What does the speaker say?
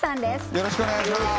よろしくお願いします